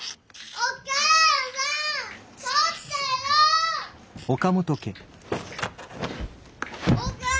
お母さん！